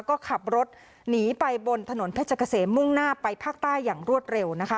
ก็ขับรถหนีไปบนถนนเพชรเกษมมุ่งหน้าไปภาคใต้อย่างรวดเร็วนะคะ